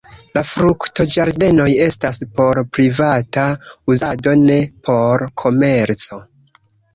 La fruktoĝardenoj estas por privata uzado; ne por komerco.